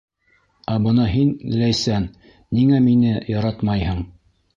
Ә бына һин, Ләйсән, ниңә мине яратмайһың?